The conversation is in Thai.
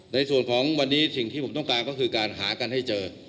ในส่วนของวันนี้สิ่งที่ผมต้องการก็คือการหากันให้เจอ